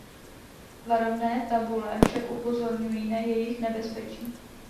Varovné tabule však upozorňují na jejich nebezpečí.